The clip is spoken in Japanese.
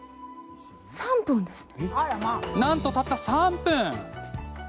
なんと、たった３分。